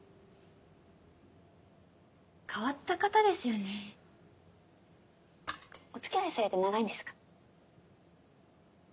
変わった方ですよねおつきあいされて長いんですか？